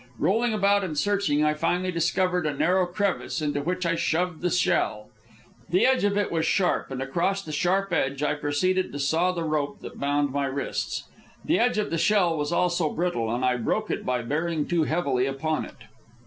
Rolling about and searching, I finally discovered a narrow crevice, into which I shoved the shell. The edge of it was sharp, and across the sharp edge I proceeded to saw the rope that bound my wrists. The edge of the shell was also brittle, and I broke it by bearing too heavily upon it.